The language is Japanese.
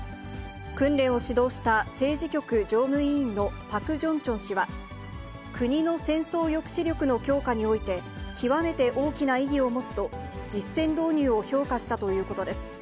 訓練を指導した政治局常務委員のパク・ジョンチョン氏は、国の戦争抑止力の強化において、極めて大きな意義を持つと、実戦導入を評価したということです。